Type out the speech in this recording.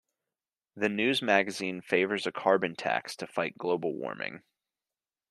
The news magazine favours a carbon tax to fight global warming.